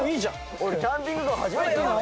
俺キャンピングカー初めてなんだけど。